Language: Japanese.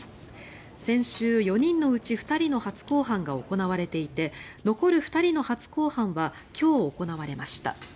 先週、４人のうち２人の初公判が行われていて残る２人の初公判は今日行われました。